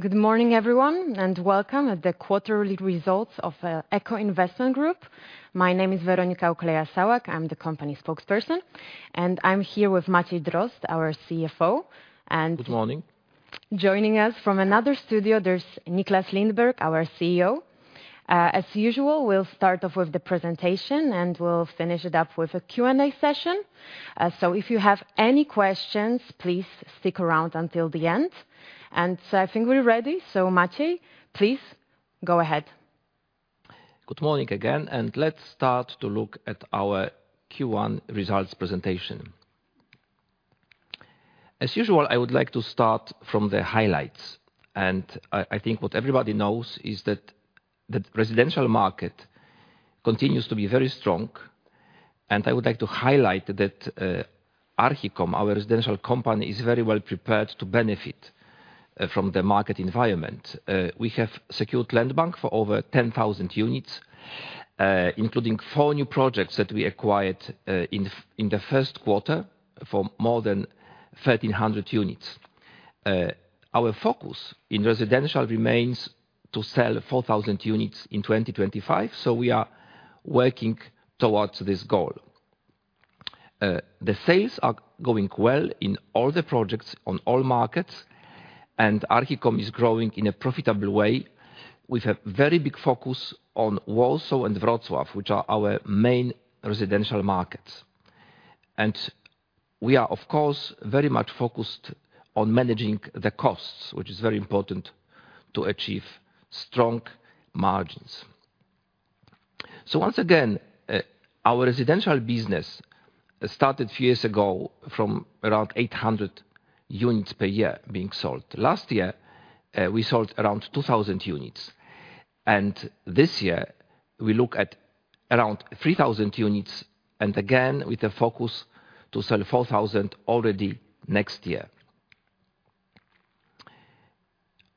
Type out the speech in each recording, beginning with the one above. Good morning, everyone, and welcome to the quarterly results of Echo Investment Group. My name is Weronika Ukleja-Sałak. I'm the company spokesperson, and I'm here with Maciej Drozd, our CFO. Good morning. Joining us from another studio, there's Nicklas Lindberg, our CEO. As usual, we'll start off with the presentation, and we'll finish it up with a Q&A session. If you have any questions, please stick around until the end, and I think we're ready. Matthew, please go ahead. Good morning again, and let's start to look at our Q1 results presentation. As usual, I would like to start from the highlights, and I think what everybody knows is that the residential market continues to be very strong, and I would like to highlight that, Archicom, our residential company, is very well prepared to benefit from the market environment. We have secured land bank for over 10,000 units, including four new projects that we acquired in the first quarter for more than 1,300 units. Our focus in residential remains to sell 4,000 units in 2025, so we are working towards this goal. The sales are going well in all the projects on all markets, and Archicom is growing in a profitable way with a very big focus on Warsaw and Wrocław, which are our main residential markets. We are, of course, very much focused on managing the costs, which is very important to achieve strong margins. Once again, our residential business started few years ago from around 800 units per year being sold. Last year, we sold around 2,000 units, and this year we look at around 3,000 units, and again, with a focus to sell 4,000 already next year.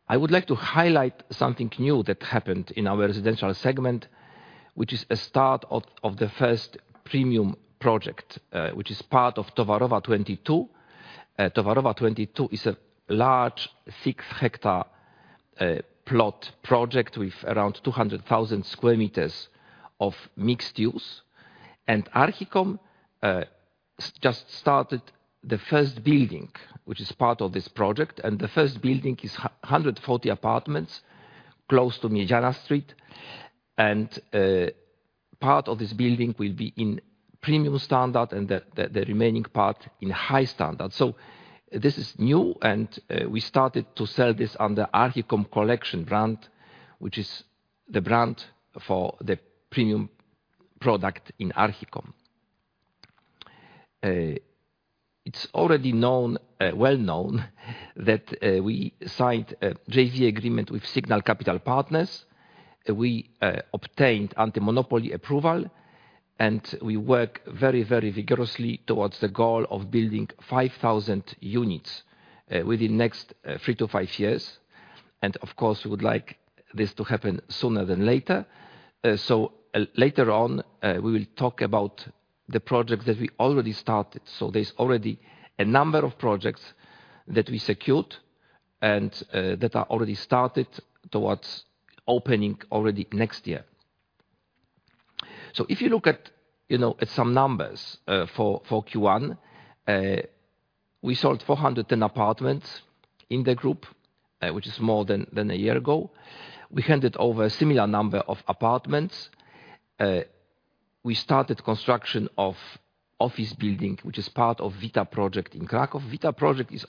I would like to highlight something new that happened in our residential segment, which is a start of the first premium project, which is part of Towarowa 22. Towarowa 22 is a large, six hectare plot project with around 200,000 sq m of mixed use. Archicom just started the first building, which is part of this project, and the first building is 140 apartments close to Miedziana Street. Part of this building will be in premium standard, and the remaining part in high standard. So this is new, and we started to sell this on the Archicom Collection brand, which is the brand for the premium product in Archicom. It's already known, well known that we signed a JV agreement with Signal Capital Partners. We obtained anti-monopoly approval, and we work very, very vigorously towards the goal of building 5,000 units within next 3-5 years. And of course, we would like this to happen sooner than later. So later on, we will talk about the projects that we already started. So there's already a number of projects that we secured and that are already started towards opening already next year. So if you look at, you know, at some numbers, for Q1, we sold 410 apartments in the group, which is more than a year ago. We handed over a similar number of apartments. We started construction of office building, which is part of Wita Project in Kraków. Wita Project is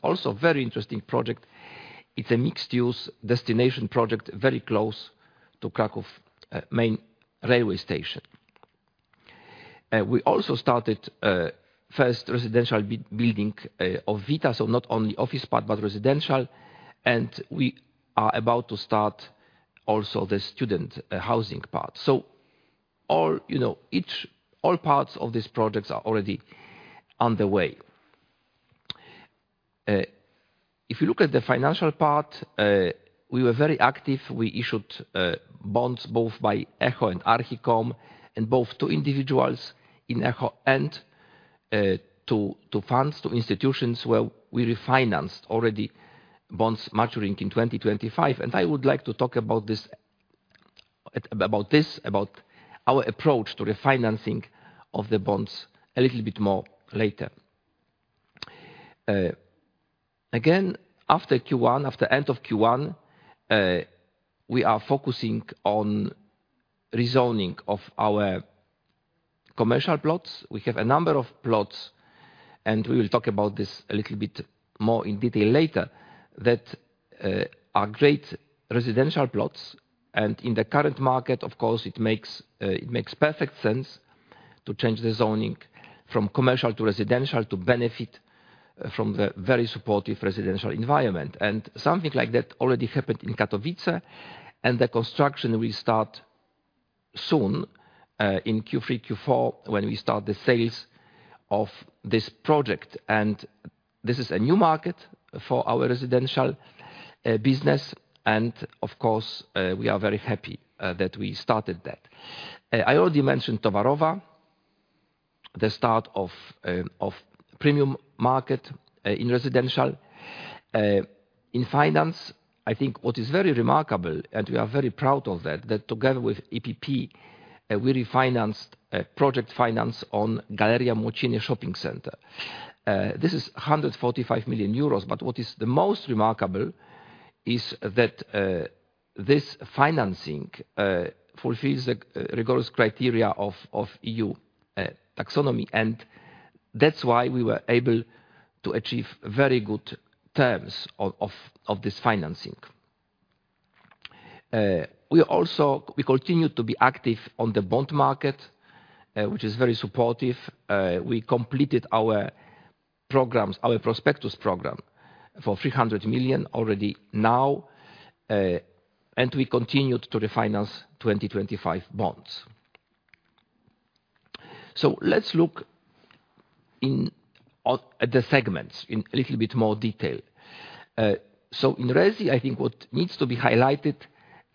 also very interesting project. It's a mixed-use destination soon, in Q3, Q4, when we start the sales of this project. And this is a new market for our residential business, and of course, we are very happy that we started that. I already mentioned Towarowa the start of, of premium market in residential. In finance, I think what is very remarkable, and we are very proud of that, that together with EPP, we refinanced project finance on Galeria Młociny Shopping Center. This is 145 million euros, but what is the most remarkable is that, this financing fulfills the rigorous criteria of EU Taxonomy, and that's why we were able to achieve very good terms of this financing. We also continued to be active on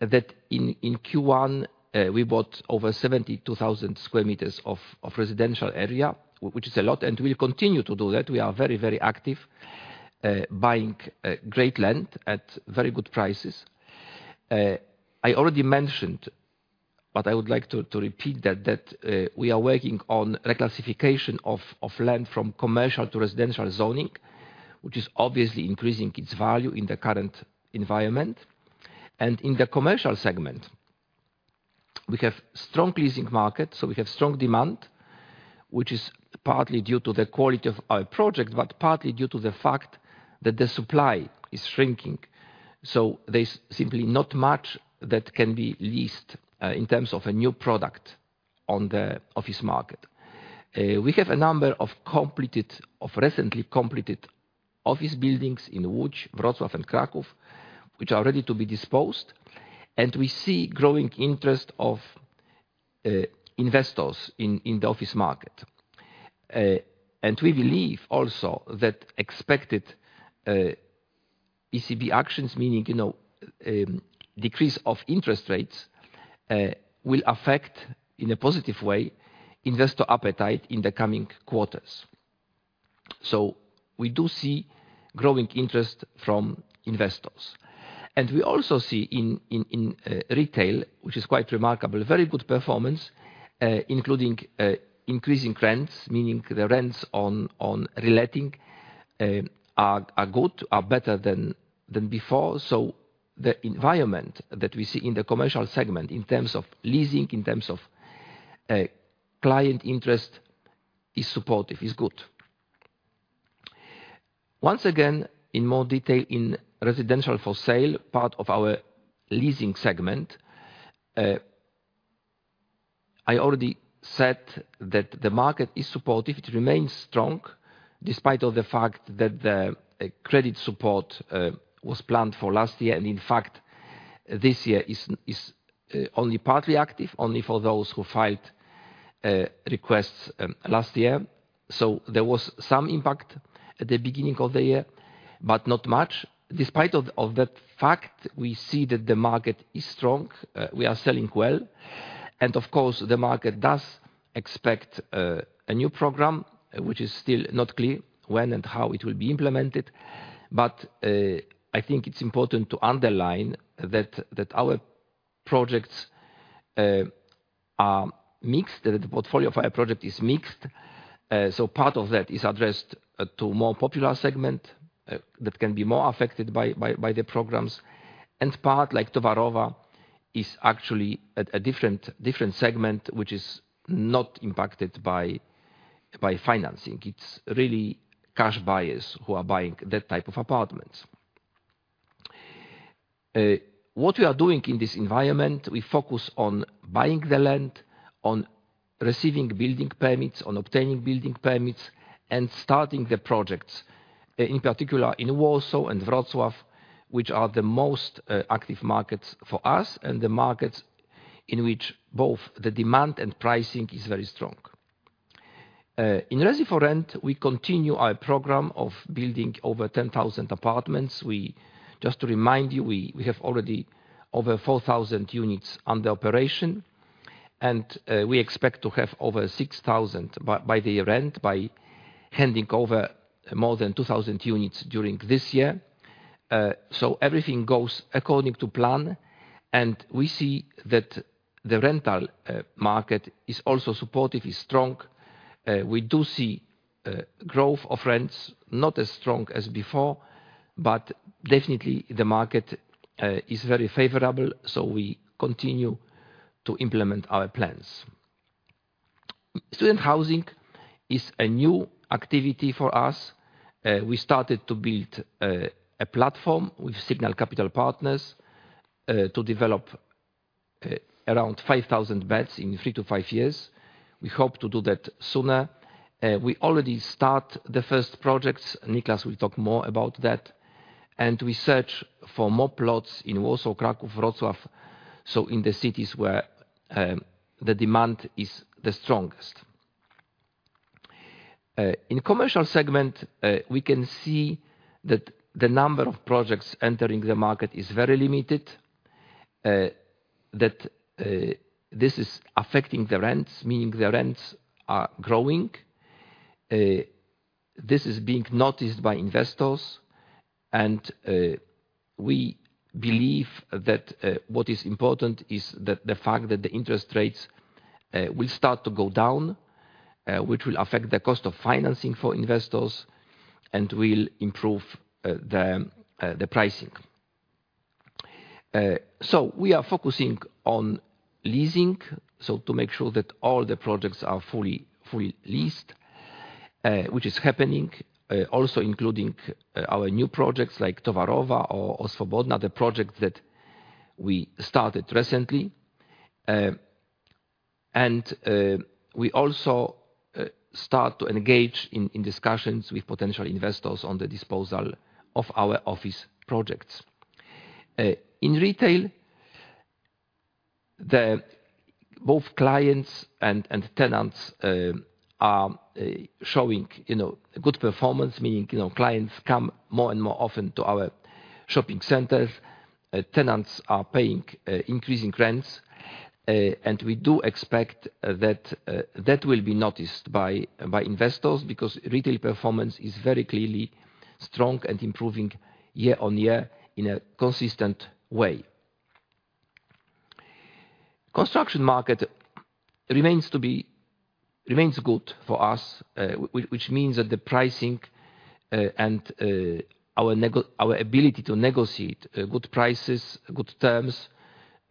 the bond which are ready to be disposed, and we see growing interest of investors in the office market. And we believe also that expected ECB actions, meaning, you know, decrease of interest rates, will affect, in a positive way, investor appetite in the coming quarters. So we do see growing interest from investors. And we also see in retail, which is quite remarkable, very good performance, including increasing rents, meaning the rents on re-letting are good, are better than before. So the environment that we see in the commercial segment, in terms of leasing, in terms of client interest, is supportive, is good. Once again, in more detail, in residential for sale, part of our leasing segment, I already said that the market is supportive. It remains strong, despite of the fact that the credit support was planned for last year, and in fact, this year is only partly active, only over 4,000 units under operation, and we expect to have over 6,000 by the end, by handing over more than 2,000 units during this year. So everything goes according to plan, and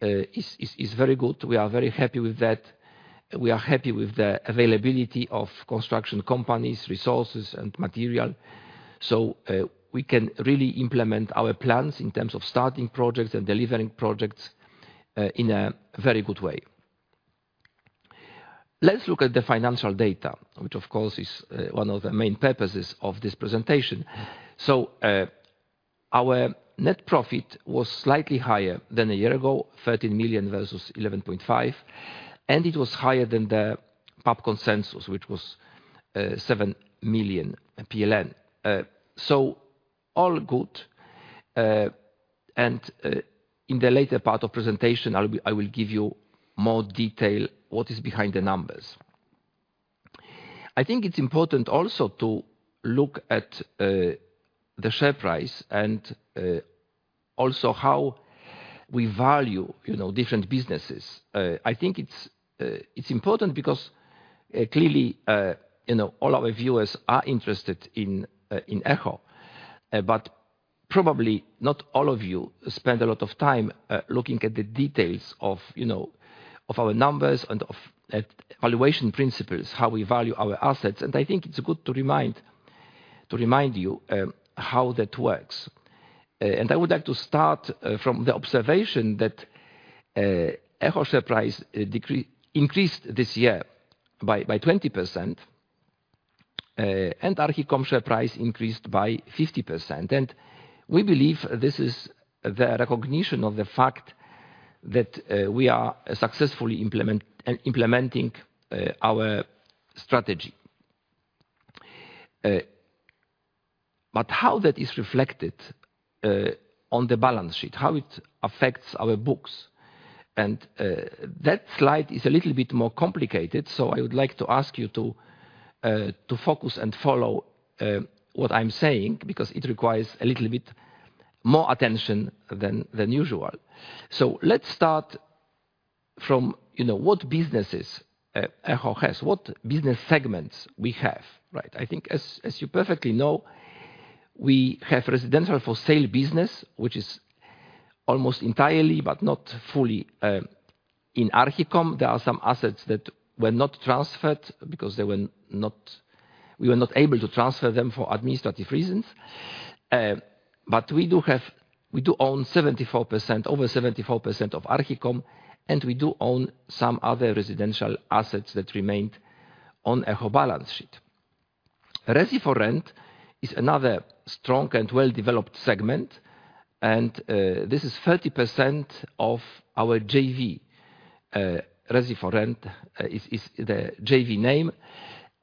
and tenants are showing, you know, good performance, meaning, you know, clients come more and more often to our shopping centers. Tenants are paying increasing rents, and we do expect that that will be noticed by investors, because retail performance is very clearly strong and improving year-on-year in a consistent way. Construction market remains good for us, which means that the pricing and our ability to negotiate good prices, good terms is very good. We are very happy with that. We are happy with the availability of construction companies, resources, and material, so we can really implement our plans in terms of starting projects and delivering projects in a very good way. Let's look at the financial data, which of course is one of the main purposes of this presentation. So, our net profit was slightly higher than a year ago, 13 million versus 11.5 million, and it was higher than the PAP consensus, which was seven million PLN. So all good. And in the later part of presentation, I will be, I will give you more detail what is behind the numbers. I think it's important also to look at the share price and also how we value, you know, different businesses. I think it's important because clearly, you know, all our viewers are interested in Echo, but probably not all of you spend a lot of time looking at the details of, you know, our numbers and of valuation principles, how we value our assets, and I think it's good to remind you how that works. I would like to start from the observation that Echo share price increased this year by 20%, and Archicom share price increased by 50%. We believe this is the recognition of the fact that we are successfully implementing our strategy. But how that is reflected on the balance sheet, how it affects our books, and that slide is a little bit more complicated, so I would like to ask you to focus and follow what I'm saying, because it requires a little bit more attention than usual. So let's start from, you know, what businesses Echo has, what business segments we have, right? I think as you perfectly know, we have residential for sale business, which is almost entirely, but not fully, in Archicom. There are some assets that were not transferred because they were not, we were not able to transfer them for administrative reasons. But we do have, we do own 74%, over 74% of Archicom, and we do own some other residential assets that remained on Echo balance sheet. Resi4Rent is another strong and well-developed segment, and this is 30% of our JV. Resi4Rent is the JV name,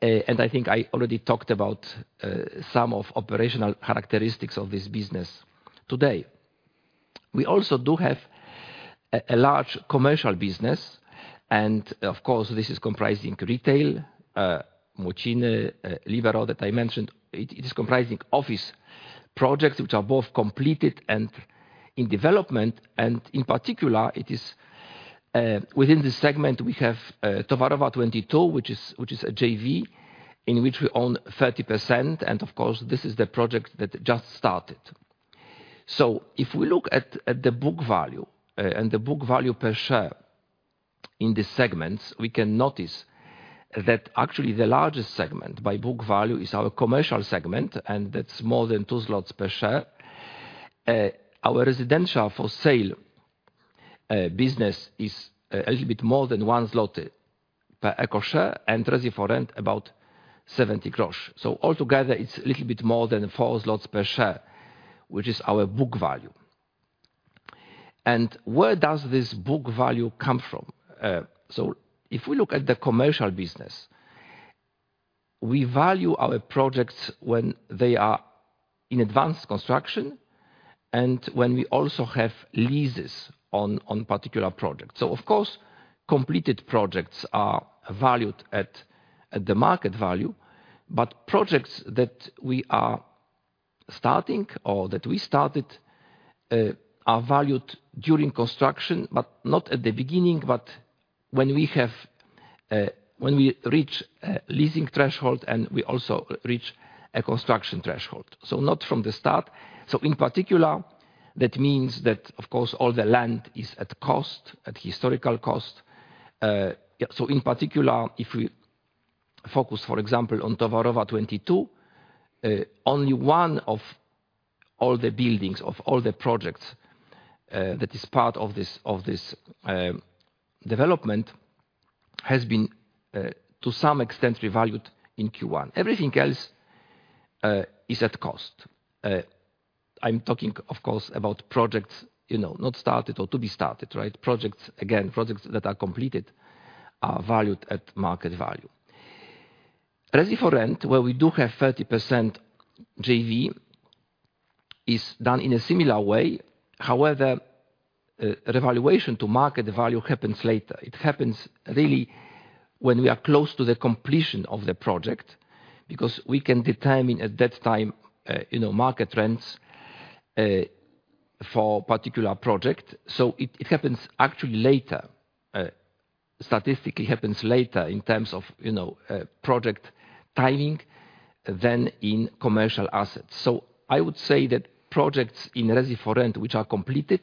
and I think I already talked about some of operational characteristics of this business today. We also do have a large commercial business, and of course, this is comprising retail, Młociny, Libero, that I mentioned. It is comprising office projects, which are both completed and in development, and in particular, it is within this segment, we have Towarowa 22, which is a JV, in which we own 30%, and of course, this is the project that just started. So if we look at the book value and the book value per share in these segments, we can notice that actually the largest segment by book value is our commercial segment, and that's more than 2 PLN per share. Our residential for sale business is a little bit more than 1 zloty per Echo share, and Resi4Rent about 0.70 PLN. So altogether, it's a little bit more than 4 zlotys per share, which is our book value. And where does this book value come from? So if we look at the commercial business, we value our projects when they are in advanced construction and when we also have leases on particular projects. So of course, completed projects are valued at the market value, but projects that we are starting or that we started are valued during construction, but not at the beginning, but when we have, when we reach a leasing threshold, and we also reach a construction threshold, so not from the start. So in particular, that means that of course, all the land is at cost, at historical cost. So in particular, if we focus, for example, on Towarowa 22, only one of all the buildings, of all the projects, that is part of this, of this, development, has been to some extent, revalued in Q1. Everything else is at cost. I'm talking, of course, about projects, you know, not started or to be started, right? Projects, again, projects that are completed are valued at market value. Resi4Rent, where we do have 30% JV, is done in a similar way. However, revaluation to market value happens later. It happens really when we are close to the completion of the project, because we can determine at that time, you know, market trends, for particular project. So it, it happens actually later, statistically happens later in terms of, you know, project timing than in commercial assets. So I would say that projects in Resi4Rent, which are completed,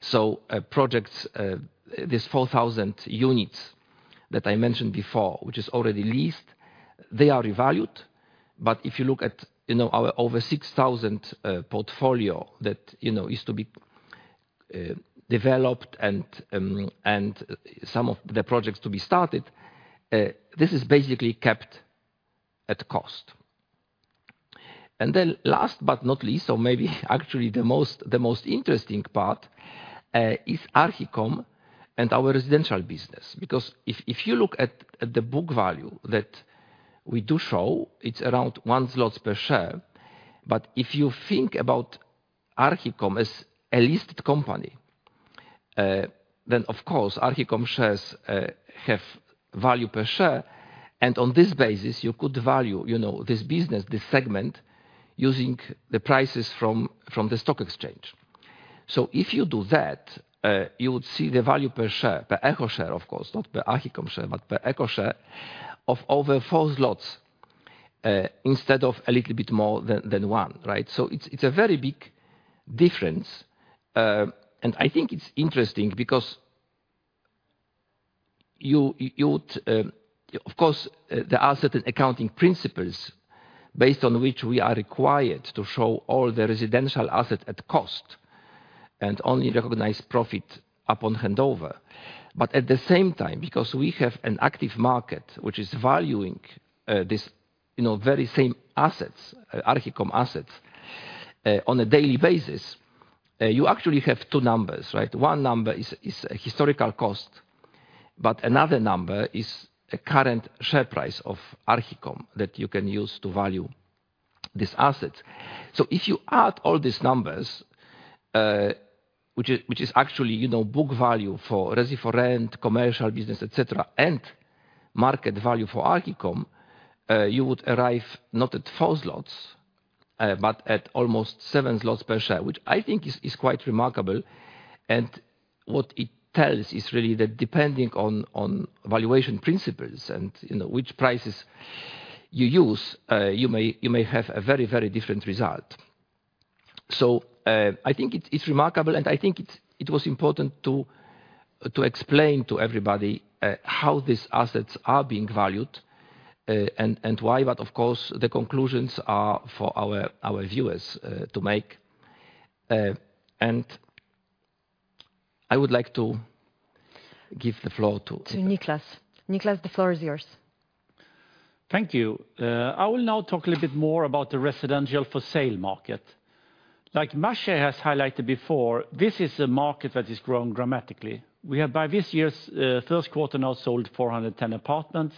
so, projects, this 4,000 units that I mentioned before, which is already leased, they are revalued. But if you look at, you know, our over 6,000, portfolio that you know, is to be, developed and, and some of the projects to be started, this is basically kept at cost. Then last but not least, so maybe actually the most, the most interesting part, is Archicom and our residential business. Because if, if you look at, at the book value that we do show, it's around 1 zloty per share. But if you think about Archicom as a listed company, then of course, Archicom shares, have value per share, and on this basis, you could value, you know, this business, this segment, using the prices from, from the stock exchange. So if you do that, you would see the value per share, per Echo share, of course, not per Archicom share, but per Echo share, of over PLN 4, instead of a little bit more than, than PLN 1, right? So it's a very big difference, and I think it's interesting because you would, of course, the asset and accounting principles based on which we are required to show all the residential assets at cost, and only recognize profit upon handover. But at the same time, because we have an active market, which is valuing this, you know, very same assets, Archicom assets, on a daily basis, you actually have two numbers, right? One number is a historical cost, but another number is a current share price of Archicom that you can use to value these assets. So if you add all these numbers, which is, which is actually, you know, book value for Resi4Rent, commercial business, et cetera, and market value for Archicom, you would arrive not at 4 zlotys, but at almost 7 zlotys per share, which I think is, is quite remarkable. And what it tells is really that depending on, on valuation principles and, you know, which prices you use, you may, you may have a very, very different result. So, I think it's, it's remarkable, and I think it was important to, to explain to everybody, how these assets are being valued, and, and why, but of course, the conclusions are for our, our viewers, to make. And I would like to give the floor to- To Nicklas. Nicklas, the floor is yours. Thank you. I will now talk a little bit more about the residential for sale market. Like Maciej has highlighted before, this is a market that is growing dramatically. We have, by this year's first quarter, now sold 410 apartments.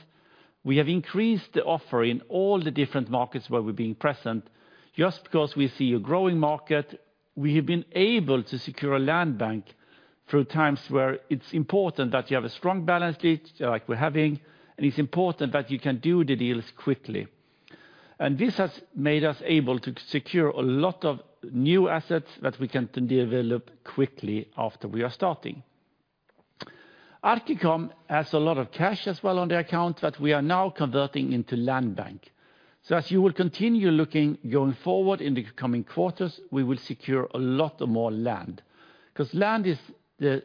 We have increased the offer in all the different markets where we're being present. Just because we see a growing market, we have been able to secure a land bank through times where it's important that you have a strong balance sheet, like we're having, and it's important that you can do the deals quickly. This has made us able to secure a lot of new assets that we can then develop quickly after we are starting. Archicom has a lot of cash as well on their account that we are now converting into land bank. So as you will continue looking, going forward in the coming quarters, we will secure a lot of more land, 'cause land is the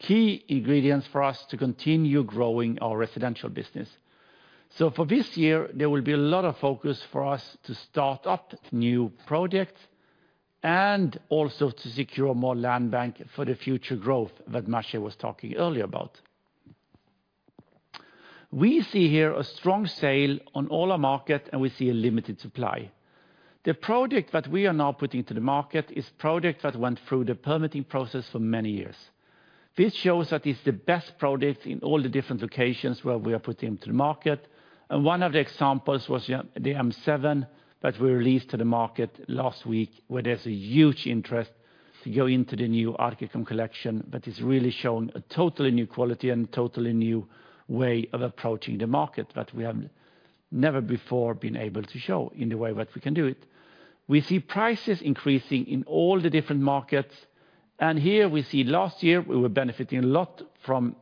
key ingredients for us to continue growing our residential business. So for this year, there will be a lot of focus for us to start up new projects and also to secure more land bank for the future growth that Maciej was talking earlier about. We see here a strong sale on all our market, and we see a limited supply. The product that we are now putting to the market is product that went through the permitting process for many years. This shows that it's the best product in all the different locations where we are putting into the market, and one of the examples was the M7 that we released to the market last week, where there's a huge interest to go into the new Archicom Collection. That is really showing a totally new quality and totally new way of approaching the market that we have never before been able to show in the way that we can do it. We see prices increasing in all the different markets, and here we see last year we were benefiting a lot from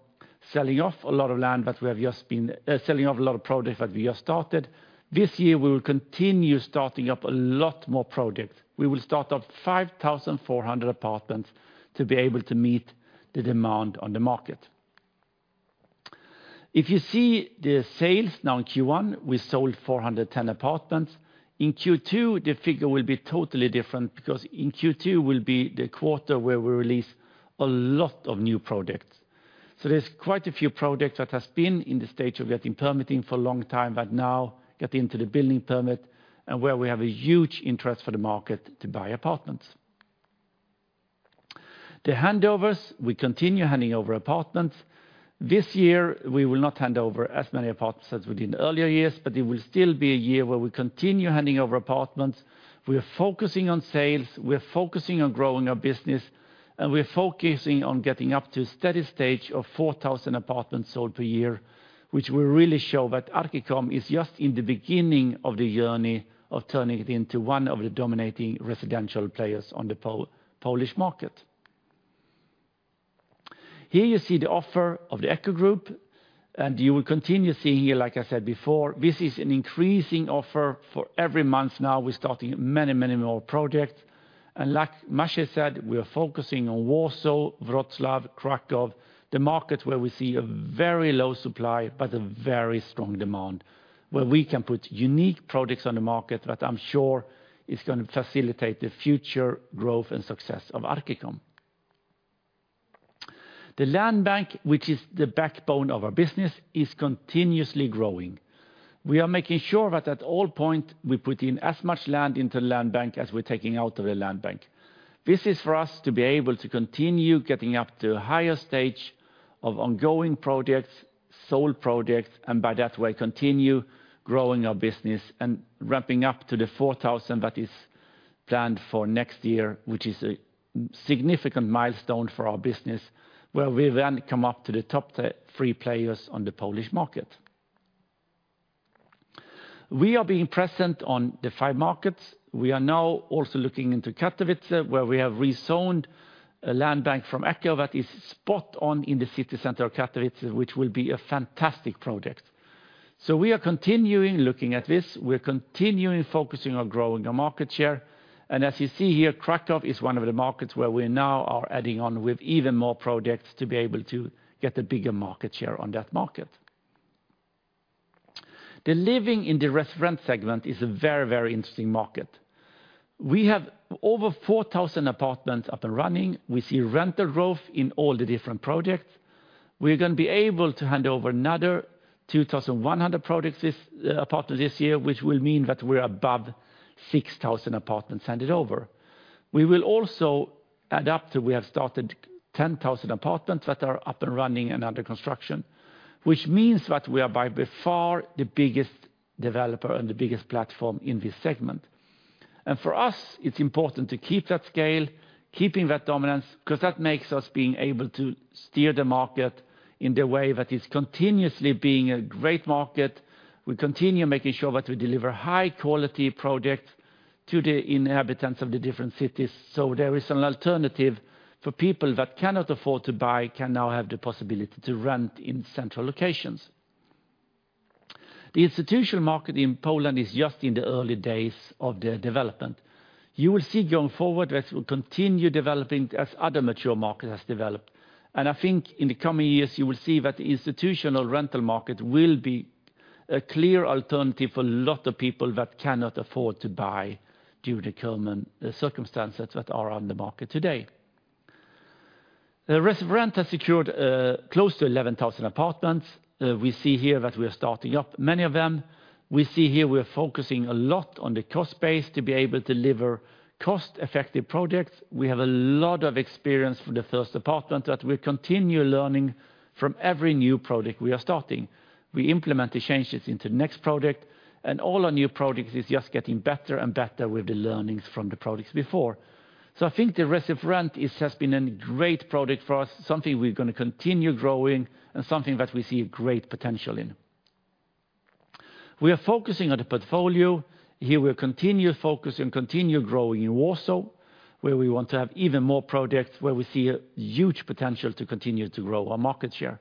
selling off a lot of land, but we have just been selling off a lot of product that we just started. This year, we will continue starting up a lot more products. We will start up 5,400 apartments to be able to meet the demand on the market. If you see the sales now in Q1, we sold 410 apartments. In Q2, the figure will be totally different because in Q2 will be the quarter where we release a lot of new products. So there's quite a few products that has been in the stage of getting permitting for a long time, but now get into the building permit, and where we have a huge interest for the market to buy apartments. The handovers, we continue handing over apartments. This year, we will not hand over as many apartments as we did in earlier years, but it will still be a year where we continue handing over apartments. We are focusing on sales, we are focusing on growing our business, and we are focusing on getting up to a steady stage of 4,000 apartments sold per year, which will really show that Archicom is just in the beginning of the journey of turning it into one of the dominating residential players on the Polish market. Here you see the offer of the Echo Group, and you will continue seeing here, like I said before, this is an increasing offer for every month now. We're starting many, many more projects. And like Maciej said, we are focusing on Warsaw, Wrocław, Kraków, the markets where we see a very low supply, but a very strong demand, where we can put unique products on the market that I'm sure is gonna facilitate the future growth and success of Archicom. The land bank, which is the backbone of our business, is continuously growing. We are making sure that at all point, we put in as much land into land bank as we're taking out of the land bank. This is for us to be able to continue getting up to a higher stage of ongoing projects, sold projects, and by that way, continue growing our business and ramping up to the 4,000 that is planned for next year, which is a significant milestone for our business, where we then come up to the top three players on the Polish market. We are being present on the five markets. We are now also looking into Katowice, where we have rezoned a land bank from Echo that is spot on in the city center of Katowice, which will be a fantastic project. So we are continuing looking at this. We're continuing focusing on growing our market share, and as you see here, Kraków is one of the markets where we now are adding on with even more products to be able to get a bigger market share on that market. The living in the residential segment is a very, very interesting market. We have over 4,000 apartments up and running. We see rental growth in all the different projects. We're gonna be able to hand over another 2,100 products this, apartments this year, which will mean that we're above 6,000 apartments handed over. We will also add up to we have started 10,000 apartments that are up and running and under construction, which means that we are by far the biggest developer and the biggest platform in this segment. For us, it's important to keep that scale, keeping that dominance, because that makes us being able to steer the market in the way that is continuously being a great market. We continue making sure that we deliver high quality projects to the inhabitants of the different cities, so there is an alternative for people that cannot afford to buy, can now have the possibility to rent in central locations. The institutional market in Poland is just in the early days of the development. You will see going forward, that will continue developing as other mature markets has developed. I think in the coming years, you will see that the institutional rental market will be a clear alternative for a lot of people that cannot afford to buy due to current circumstances that are on the market today. The Resi4Rent has secured close to 11,000 apartments. We see here that we are starting up many of them. We see here we are focusing a lot on the cost base to be able to deliver cost-effective products. We have a lot of experience from the first apartment, that we continue learning from every new project we are starting. We implement the changes into the next project, and all our new projects is just getting better and better with the learnings from the projects before. So I think the Resi4Rent has been a great product for us, something we're gonna continue growing, and something that we see great potential in. We are focusing on the portfolio. Here, we'll continue to focus and continue growing in Warsaw, where we want to have even more products, where we see a huge potential to continue to grow our market share.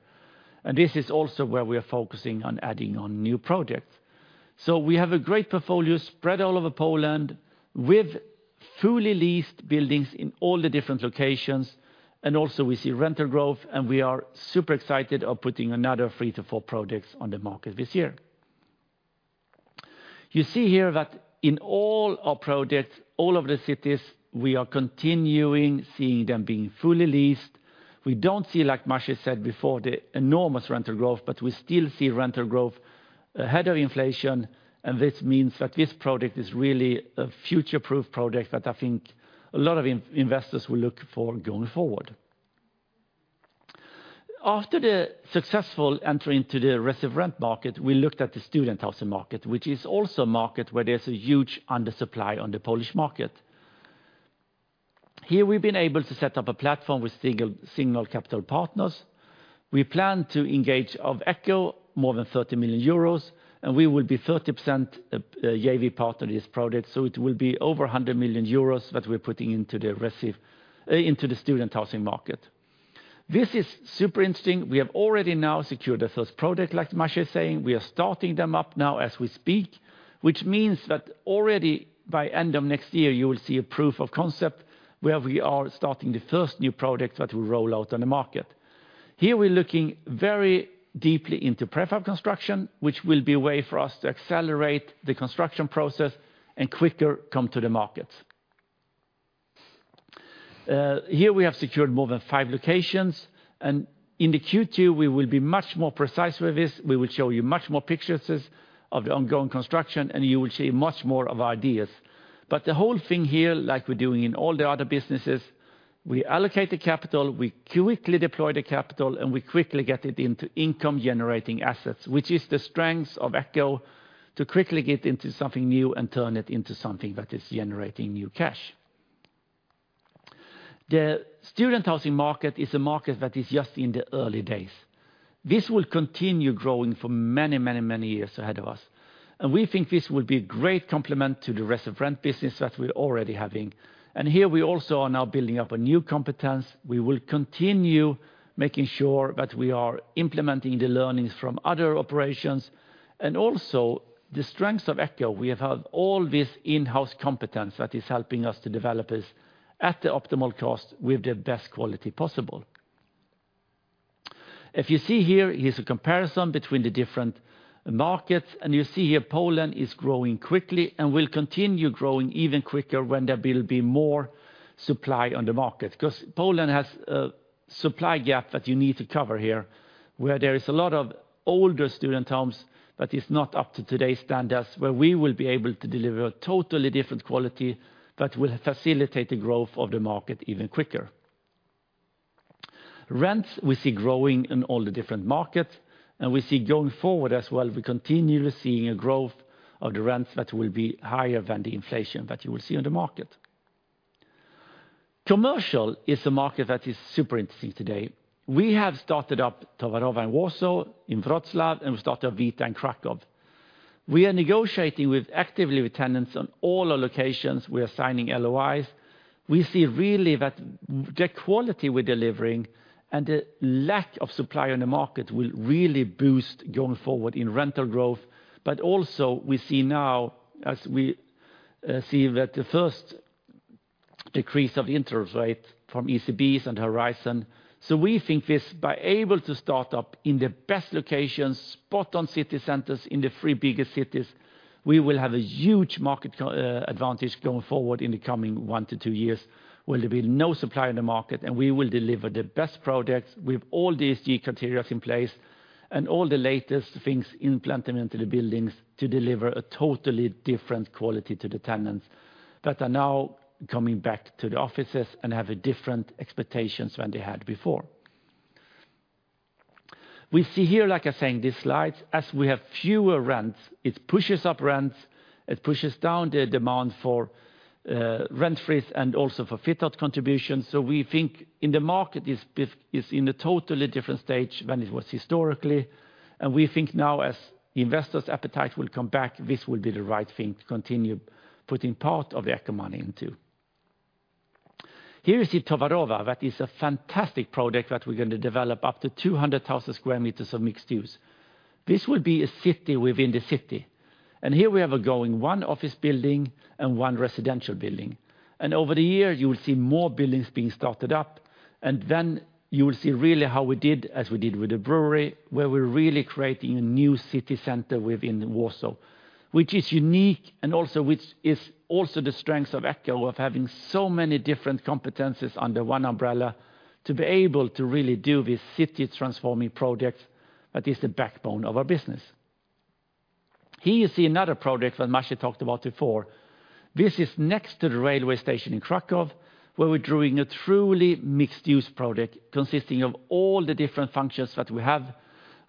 This is also where we are focusing on adding on new projects. We have a great portfolio spread all over Poland, with fully leased buildings in all the different locations, and also we see rental growth, and we are super excited of putting another 3-4 projects on the market this year... You see here that in all our projects, all of the cities, we are continuing seeing them being fully leased. We don't see, like Maciej said before, the enormous rental growth, but we still see rental growth ahead of inflation, and this means that this project is really a future-proof project that I think a lot of investors will look for going forward. After the successful entry into the Resi4Rent market, we looked at the student housing market, which is also a market where there's a huge undersupply on the Polish market. Here, we've been able to set up a platform with single, Signal Capital Partners. We plan to engage of Echo more than 30 million euros, and we will be 30% JV partner in this project, so it will be over 100 million euros that we're putting into the student housing market. This is super interesting. We have already now secured the first project, like Maciej is saying. We are starting them up now as we speak, which means that already by end of next year, you will see a proof of concept where we are starting the first new project that will roll out on the market. Here, we're looking very deeply into prefab construction, which will be a way for us to accelerate the construction process and quicker come to the market. Here, we have secured more than five locations, and in the Q2, we will be much more precise with this. We will show you much more pictures of the ongoing construction, and you will see much more of ideas. But the whole thing here, like we're doing in all the other businesses, we allocate the capital, we quickly deploy the capital, and we quickly get it into income-generating assets, which is the strength of Echo, to quickly get into something new and turn it into something that is generating new cash. The student housing market is a market that is just in the early days. This will continue growing for many, many, many years ahead of us, and we think this will be a great complement to the Resi4Rent business that we're already having. And here, we also are now building up a new competence. We will continue making sure that we are implementing the learnings from other operations. And also, the strengths of Echo, we have had all this in-house competence that is helping us to develop this at the optimal cost with the best quality possible. If you see here, here's a comparison between the different markets, and you see here, Poland is growing quickly and will continue growing even quicker when there will be more supply on the market. Because Poland has a supply gap that you need to cover here, where there is a lot of older student homes, but it's not up to today's standards, where we will be able to deliver a totally different quality that will facilitate the growth of the market even quicker. Rents, we see growing in all the different markets, and we see going forward as well, we're continually seeing a growth of the rents that will be higher than the inflation that you will see on the market. Commercial is a market that is super interesting today. We have started up Towarowa in Warsaw, in Wrocław, and we started VITA in Kraków. We are negotiating actively with tenants on all our locations. We are signing LOIs. We see really that the quality we're delivering and the lack of supply on the market will really boost going forward in rental growth. But also, we see now as we see that the first decrease of the interest rate from ECB is on the horizon. So we think this, by able to start up in the best locations, spot on city centers in the three biggest cities, we will have a huge market advantage going forward in the coming 1-2 years, where there'll be no supply in the market, and we will deliver the best projects with all the ESG criteria in place and all the latest things implemented into the buildings to deliver a totally different quality to the tenants that are now coming back to the offices and have a different expectations than they had before. We see here, like I saying, this slide, as we have fewer rents, it pushes up rents, it pushes down the demand for rent-free and also for fit-out contribution. So we think in the market is, is in a totally different stage than it was historically, and we think now as investors' appetite will come back, this will be the right thing to continue putting part of the Echo money into. Here is the Towarowa. That is a fantastic project that we're going to develop up to 200,000 square meters of mixed use. This will be a city within the city, and here we have an ongoing office building and one residential building. Over the years, you will see more buildings being started up, and then you will see really how we did, as we did with the brewery, where we're really creating a new city center within Warsaw. Which is unique and also which is also the strength of Echo, of having so many different competencies under one umbrella to be able to really do this city-transforming project that is the backbone of our business. Here you see another project that Maciej talked about before. This is next to the railway station in Kraków, where we're doing a truly mixed-use project consisting of all the different functions that we have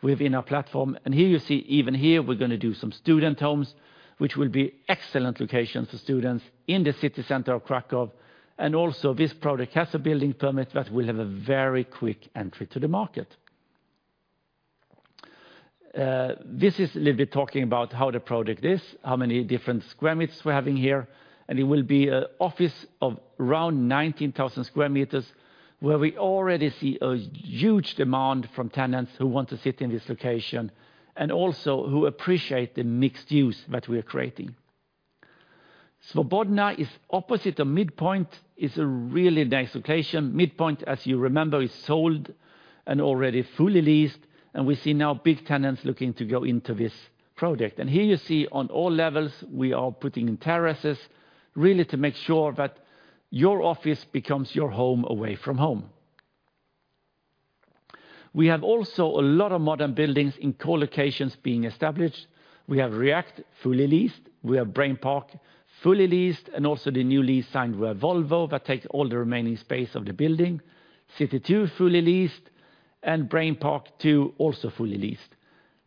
within our platform. And here you see, even here, we're gonna do some student homes, which will be excellent locations for students in the city center of Kraków. Also, this project has a building permit that will have a very quick entry to the market. This is a little bit talking about how the project is, how many different square meters we're having here, and it will be an office of around 19,000 square meters, where we already see a huge demand from tenants who want to sit in this location and also who appreciate the mixed use that we're creating. Swobodna SPOT is opposite of MidPoint71; it's a really nice location. MidPoint71, as you remember, is sold and already fully leased, and we see now big tenants looking to go into this project. And here you see on all levels, we are putting in terraces, really to make sure that your office becomes your home away from home. We have also a lot of modern buildings in core locations being established. We have React, fully leased. We have Brain Park, fully leased, and also the new lease signed with Volvo that takes all the remaining space of the building. City 2 fully leased, and Brain Park 2, also fully leased.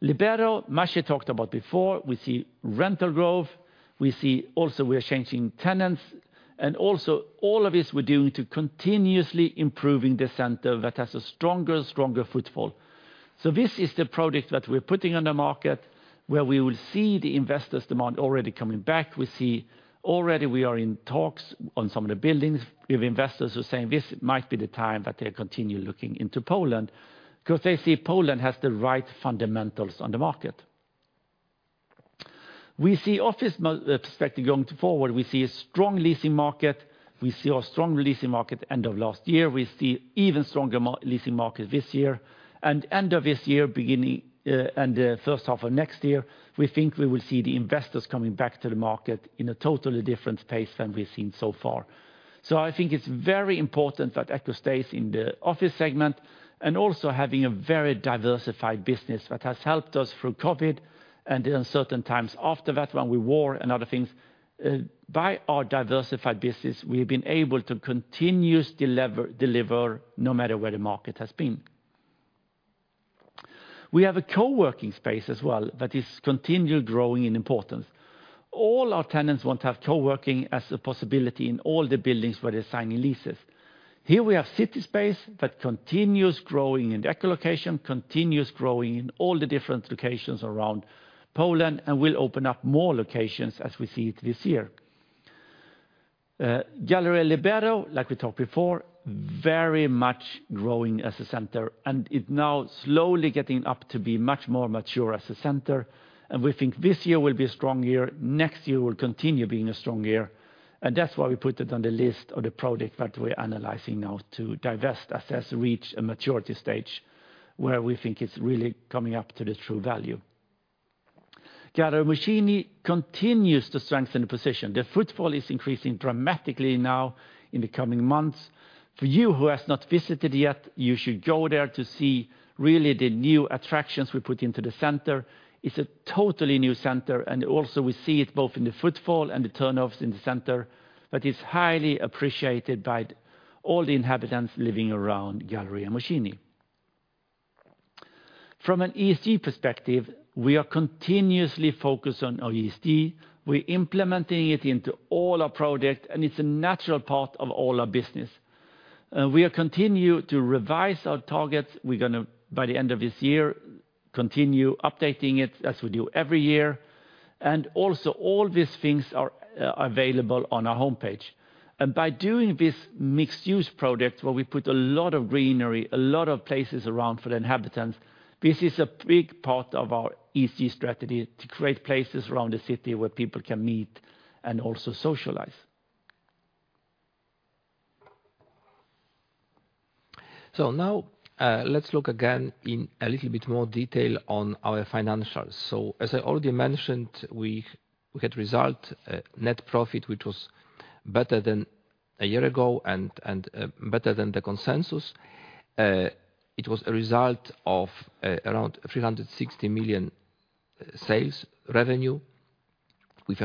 Libero, Maciej talked about before, we see rental growth, we see also we are changing tenants. And also, all of this we're doing to continuously improving the center that has a stronger, stronger footfall. So this is the product that we're putting on the market, where we will see the investors' demand already coming back. We see already we are in talks on some of the buildings. We have investors who are saying this might be the time that they continue looking into Poland, because they see Poland has the right fundamentals on the market. We see office perspective going forward, we see a strong leasing market. We see a strong leasing market end of last year. We see even stronger leasing market this year, and end of this year, beginning, and, first half of next year, we think we will see the investors coming back to the market in a totally different pace than we've seen so far. So I think it's very important that Echo stays in the office segment, and also having a very diversified business that has helped us through COVID, and in uncertain times after that, when war and other things. By our diversified business, we've been able to continuously deliver no matter where the market has been. We have a co-working space as well that is continually growing in importance. All our tenants want to have co-working as a possibility in all the buildings where they're signing leases. Here we have CitySpace that continues growing in the Echo location, continues growing in all the different locations around Poland, and will open up more locations as we see it this year. Galeria Libero, like we talked before, very much growing as a center, and it now slowly getting up to be much more mature as a center. And we think this year will be a strong year, next year will continue being a strong year, and that's why we put it on the list of the product that we're analyzing now to divest, assess, reach a maturity stage, where we think it's really coming up to the true value. Galeria Młociny continues to strengthen the position. The footfall is increasing dramatically now in the coming months. For you who has not visited yet, you should go there to see really the new attractions we put into the center. It's a totally new center, and also we see it both in the footfall and the turnovers in the center, that is highly appreciated by all the inhabitants living around Galeria Młociny. From an ESG perspective, we are continuously focused on our ESG. We're implementing it into all our projects, and it's a natural part of all our business. We are continue to revise our targets. We're gonna, by the end of this year, continue updating it as we do every year. And also, all these things are available on our homepage. And by doing this mixed-use project, where we put a lot of greenery, a lot of places around for the inhabitants, this is a big part of our ESG strategy, to create places around the city where people can meet and also socialize. So now, let's look again in a little bit more detail on our financials. So as I already mentioned, we had result, net profit, which was better than a year ago and better than the consensus. It was a result of around 360 million sales revenue, with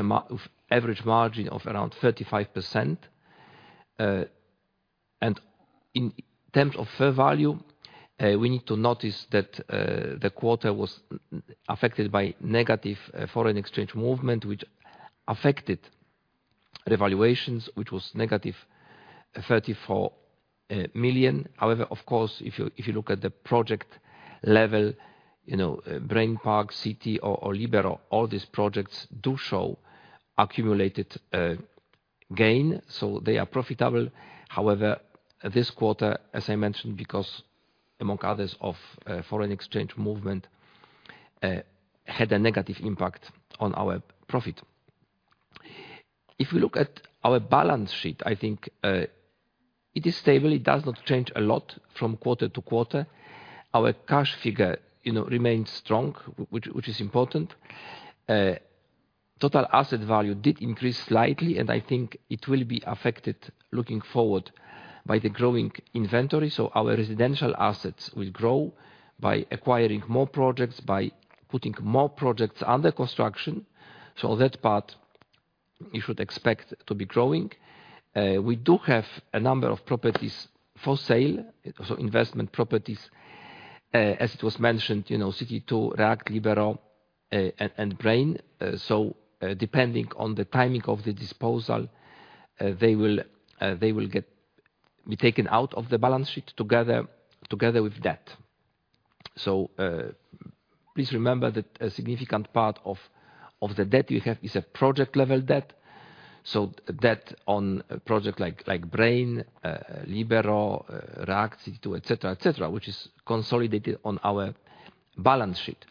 average margin of around 35%, and in terms of fair value, we need to notice that the quarter was affected by negative foreign exchange movement, which affected revaluations, which was negative 34 million. However, of course, if you look at the project level, you know, Brain Park, City 2 or Libero, all these projects do show accumulated gain, so they are profitable. However, this quarter, as I mentioned, because among others of foreign exchange movement had a negative impact on our profit. If we look at our balance sheet, I think it is stable. It does not change a lot from quarter to quarter. Our cash figure, you know, remains strong, which is important. Total asset value did increase slightly, and I think it will be affected, looking forward, by the growing inventory. So our residential assets will grow by acquiring more projects, by putting more projects under construction. So that part, you should expect to be growing. We do have a number of properties for sale, so investment properties, as it was mentioned, you know, City 2, React, Libero, and Brain. So, depending on the timing of the disposal, they will be taken out of the balance sheet together with debt. So, please remember that a significant part of the debt you have is a project-level debt, so debt on a project like Brain, Libero, React, City 2, et cetera, et cetera, which is consolidated on our balance sheet.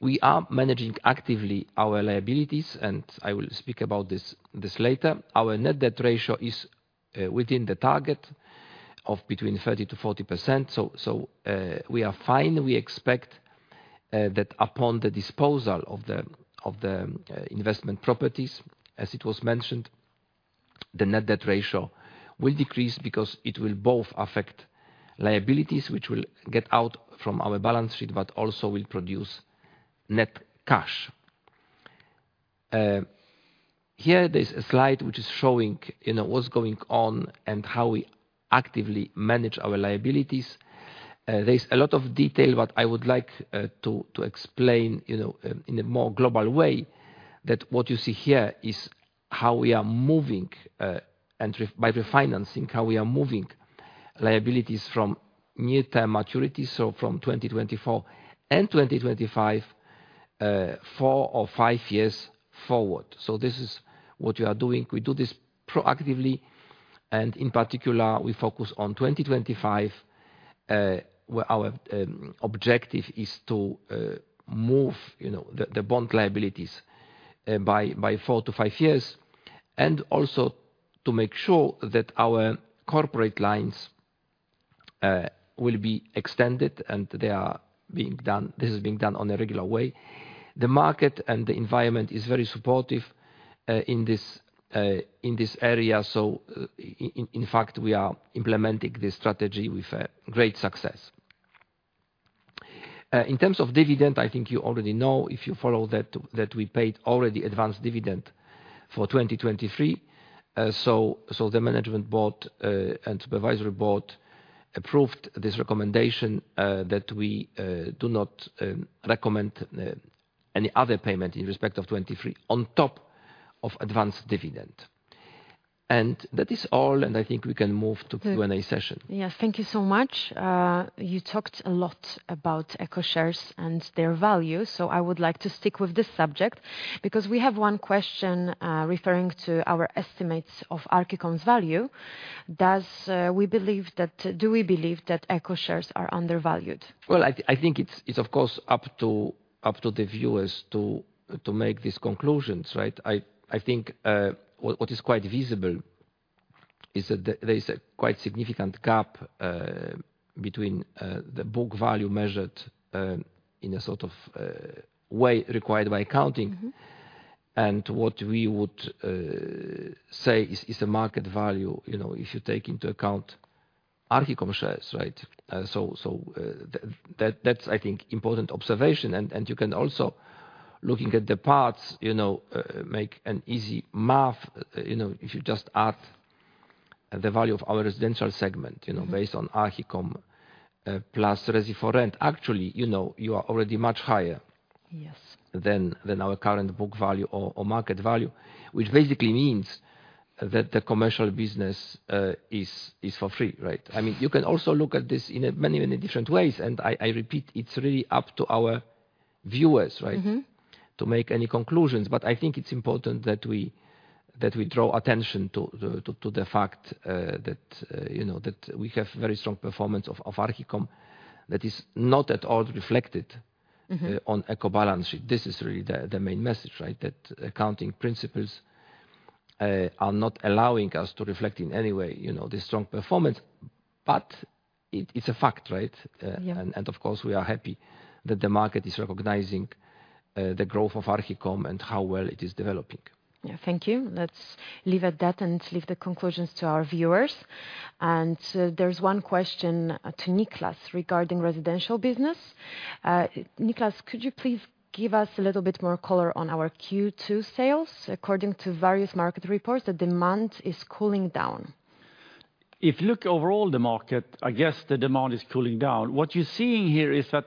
We are managing actively our liabilities, and I will speak about this later. Our net debt ratio is within the target of between 30%-40%. So, we are fine. We expect that upon the disposal of the investment properties, as it was mentioned, the net debt ratio will decrease because it will both affect liabilities, which will get out from our balance sheet, but also will produce net cash. Here, there's a slide which is showing, you know, what's going on and how we actively manage our liabilities. There is a lot of detail, but I would like to explain, you know, in a more global way, that what you see here is how we are moving by refinancing, how we are moving liabilities from near-term maturity, so from 2024 and 2025, four or five years forward. So this is what we are doing. We do this proactively, and in particular, we focus on 2025, where our objective is to move, you know, the bond liabilities by 4-5 years, and also to make sure that our corporate lines will be extended, and they are being done. This is being done on a regular way. The market and the environment is very supportive in this area, so in fact, we are implementing this strategy with great success. In terms of dividend, I think you already know, if you follow that, that we paid already advanced dividend for 2023. So the management board and supervisory board approved this recommendation that we do not recommend any other payment in respect of 2023, on top of advanced dividend. That is all, and I think we can move to Q&A session. Yes, thank you so much. You talked a lot about Echo shares and their value, so I would like to stick with this subject, because we have one question referring to our estimates of Archicom's value. Do we believe that Echo shares are undervalued? Well, I think it's of course up to the viewers to make these conclusions, right? I think what is quite visible is that there is a quite significant gap between the book value measured in a sort of way required by accounting. Mm-hmm. What we would say is a market value, you know, if you take into account Archicom shares, right? So, that's I think, important observation. And you can also, looking at the parts, you know, make an easy math. You know, if you just add the value of our residential segment- Mm-hmm... you know, based on Archicom, plus Resi4Rent, actually, you know, you are already much higher- Yes... than our current book value or market value, which basically means that the commercial business is for free, right? Mm-hmm. I mean, you can also look at this in a many, many different ways, and I, I repeat, it's really up to our viewers, right? Mm-hmm. To make any conclusions. But I think it's important that we draw attention to the fact, you know, that we have very strong performance of Archicom that is not at all reflected- Mm-hmm... on Echo balance sheet. This is really the, the main message, right? That accounting principles, are not allowing us to reflect in any way, you know, the strong performance, but it, it's a fact, right? Yeah. And of course, we are happy that the market is recognizing the growth of Archicom and how well it is developing. Yeah. Thank you. Let's leave at that and leave the conclusions to our viewers. And, there's one question to Nicklas regarding residential business. Nicklas, could you please give us a little bit more color on our Q2 sales? According to various market reports, the demand is cooling down. If you look over all the market, I guess the demand is cooling down. What you're seeing here is that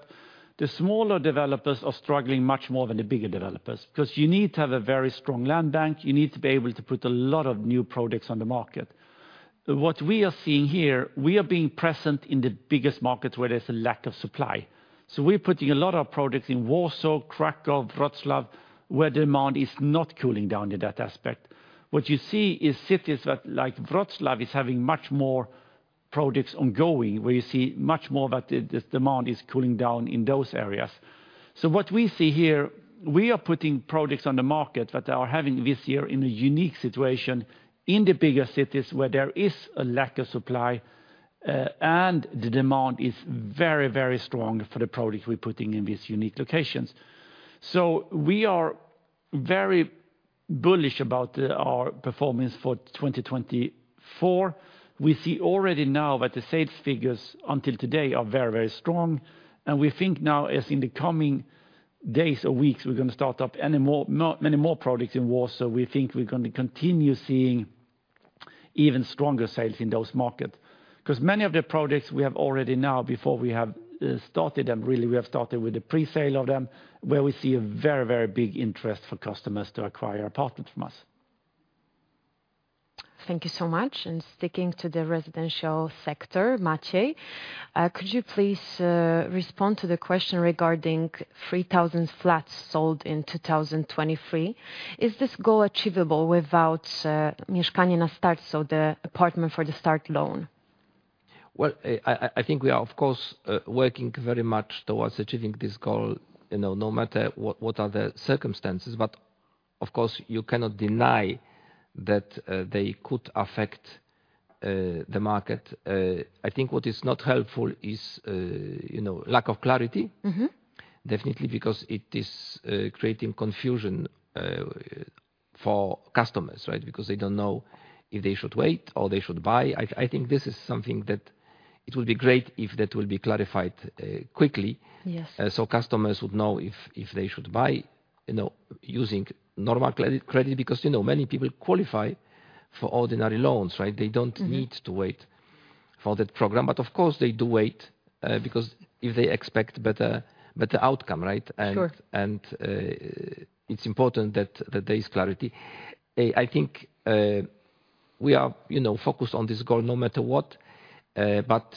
the smaller developers are struggling much more than the bigger developers, because you need to have a very strong land bank. You need to be able to put a lot of new products on the market. What we are seeing here, we are being present in the biggest markets where there's a lack of supply. So we're putting a lot of products in Warsaw, Kraków, Wrocław, where demand is not cooling down in that aspect. What you see is cities that, like Wrocław, is having much more products ongoing, where you see much more that the demand is cooling down in those areas. So what we see here, we are putting products on the market that are having this year in a unique situation in the bigger cities, where there is a lack of supply, and the demand is very, very strong for the products we're putting in these unique locations. So we are very bullish about our performance for 2024. We see already now that the sales figures until today are very, very strong, and we think now, as in the coming days or weeks, we're gonna start up many more, more, many more products in Warsaw. We think we're going to continue seeing even stronger sales in those markets, 'cause many of the products we have already now, before we have started them, really, we have started with the pre-sale of them, where we see a very, very big interest for customers to acquire apartments from us. Thank you so much. Sticking to the residential sector, Maciej, could you please respond to the question regarding 3,000 flats sold in 2023? Is this goal achievable without Mieszkanie na start, so the Apartment for the Start loan?... Well, I think we are, of course, working very much towards achieving this goal, you know, no matter what are the circumstances. But of course, you cannot deny that they could affect the market. I think what is not helpful is, you know, lack of clarity- Mm-hmm. Definitely, because it is creating confusion for customers, right? Because they don't know if they should wait or they should buy. I think this is something that it will be great if that will be clarified quickly. Yes. So customers would know if they should buy, you know, using normal credit. Because, you know, many people qualify for ordinary loans, right? Mm-hmm. They don't need to wait for that program. But of course, they do wait, because if they expect better, better outcome, right? Sure. It's important that there is clarity. I think we are, you know, focused on this goal no matter what. But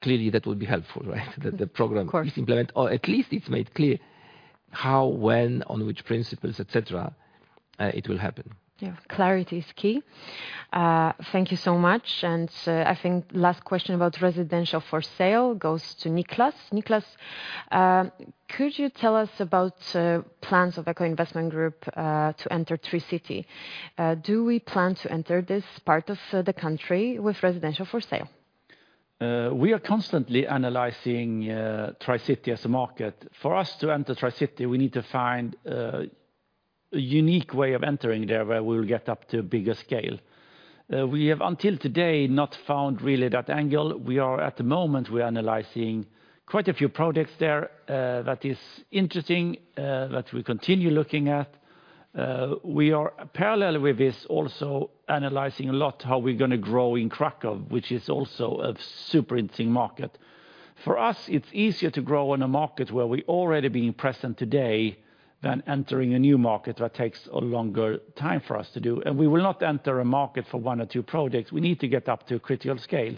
clearly that would be helpful, right? That the program- Of course... is implemented, or at least it's made clear how, when, on which principles, et cetera, it will happen. Yeah, clarity is key. Thank you so much. I think last question about residential for sale goes to Nicklas. Nicklas, could you tell us about plans of Echo Investment Group to enter Tri-City? Do we plan to enter this part of the country with residential for sale? We are constantly analyzing Tri-City as a market. For us to enter Tri-City, we need to find a unique way of entering there, where we will get up to a bigger scale. We have, until today, not found really that angle. We are, at the moment, analyzing quite a few projects there that is interesting that we continue looking at. We are parallel with this, also analyzing a lot how we're gonna grow in Kraków, which is also a super interesting market. For us, it's easier to grow in a market where we already been present today, than entering a new market that takes a longer time for us to do. And we will not enter a market for one or two projects. We need to get up to a critical scale.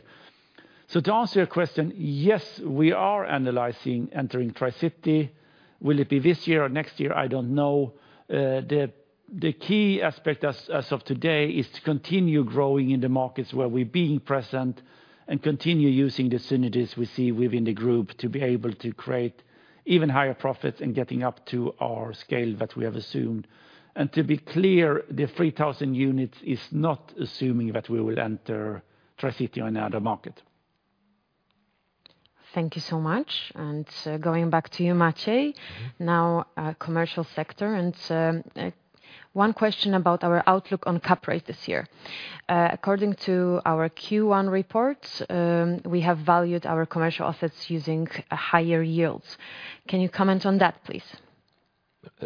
So to answer your question, yes, we are analyzing entering Tri-City. Will it be this year or next year? I don't know. The key aspect as of today is to continue growing in the markets where we've been present, and continue using the synergies we see within the group to be able to create even higher profits and getting up to our scale that we have assumed. And to be clear, the 3,000 units is not assuming that we will enter Tri-City or another market. Thank you so much. And, going back to you, Maciej. Mm-hmm. Now, our commercial sector, and one question about our outlook on cap rate this year. According to our Q1 report, we have valued our commercial assets using higher yields. Can you comment on that, please?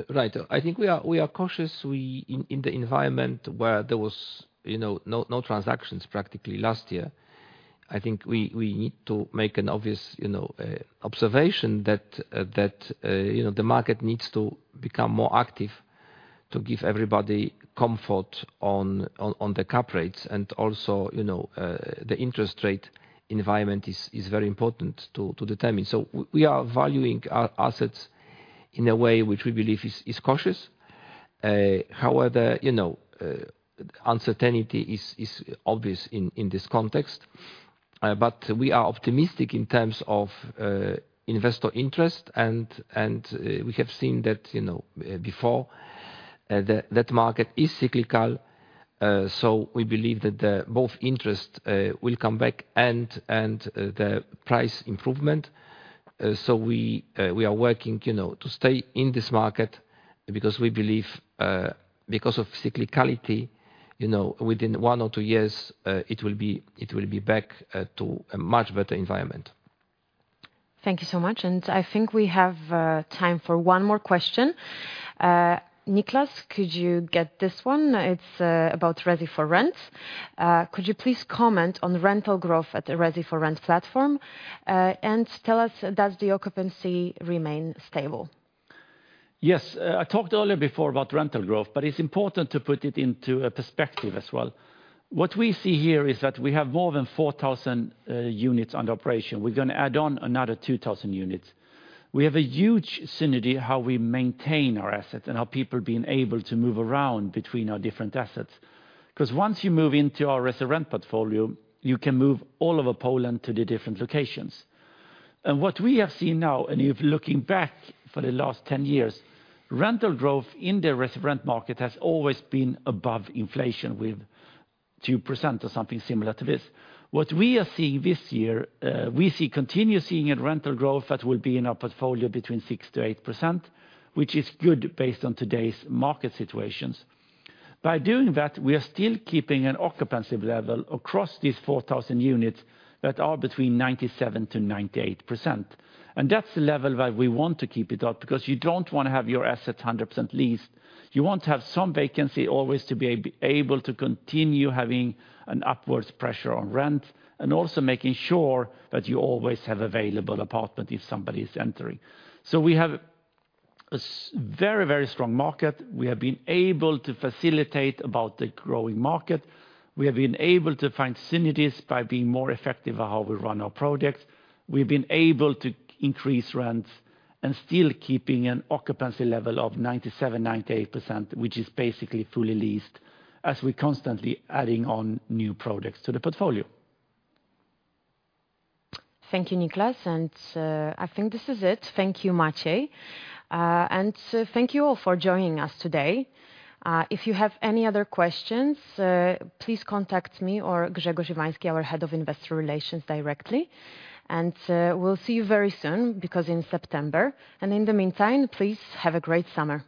Right. I think we are cautious. We in the environment where there was, you know, no transactions practically last year, I think we need to make an obvious, you know, observation that, you know, the market needs to become more active to give everybody comfort on the cap rates. And also, you know, the interest rate environment is very important to determine. So we are valuing our assets in a way which we believe is cautious. However, you know, uncertainty is obvious in this context. But we are optimistic in terms of investor interest. And we have seen that, you know, before, that market is cyclical. So we believe that both interest will come back and the price improvement. So we are working, you know, to stay in this market, because we believe because of cyclicality, you know, within 1 or 2 years, it will be, it will be back to a much better environment. Thank you so much, and I think we have time for one more question. Nicklas, could you get this one? It's about Resi4Rent. Could you please comment on rental growth at the Resi4Rent platform, and tell us, does the occupancy remain stable? Yes. I talked earlier before about rental growth, but it's important to put it into a perspective as well. What we see here is that we have more than 4,000 units under operation. We're gonna add on another 2,000 units. We have a huge synergy how we maintain our assets, and our people being able to move around between our different assets. 'Cause once you move into our Resi4Rent portfolio, you can move all over Poland to the different locations. And what we have seen now, and if looking back for the last 10 years, rental growth in the Resi4Rent market has always been above inflation, with 2% or something similar to this. What we are seeing this year, we see, continue seeing a rental growth that will be in our portfolio between 6%-8%, which is good based on today's market situations. By doing that, we are still keeping an occupancy level across these 4,000 units that are between 97%-98%, and that's the level that we want to keep it up. Because you don't want to have your assets 100% leased. You want to have some vacancy, always, to be able to continue having an upward pressure on rent, and also making sure that you always have available apartment if somebody is entering. So we have a very, very strong market. We have been able to facilitate about the growing market. We have been able to find synergies by being more effective at how we run our projects. We've been able to increase rents, and still keeping an occupancy level of 97%-98%, which is basically fully leased, as we're constantly adding on new products to the portfolio. Thank you, Nicklas, and, I think this is it. Thank you, Maciej. And, thank you all for joining us today. If you have any other questions, please contact me or Grzegorz Iwański, our Head of Investor Relations, directly. And, we'll see you very soon, because in September, and in the meantime, please have a great summer.